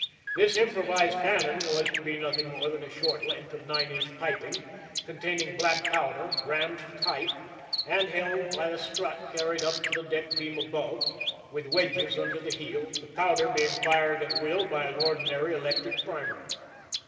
This improvised can non was to be nothing more than a short length of nine inch piping, containing black powder, rammed tight, and held by a strut carried up to the deck beam above, with wedges under the heel, the pow der being fired at will by an ordinary electric primer.